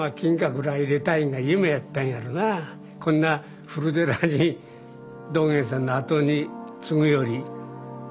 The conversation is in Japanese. こんな古寺に道源さんの後に継ぐより。